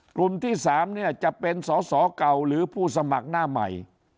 กลุ่มที่๓เนี่ยจะเป็นสอสอเก่าหรือผู้สมัครหน้าใหม่